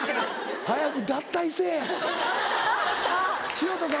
潮田さん